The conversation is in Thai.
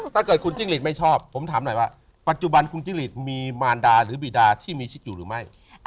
ถ้าเกิดคุณจิ้งหลีดไม่ชอบผมถามหน่อยว่าปัจจุบันคุณจิ้งหลีดมีมารดาหรือบีดาที่มีชิดอยู่หรือไม่